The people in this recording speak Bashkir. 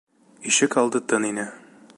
Ишек алды тын ине.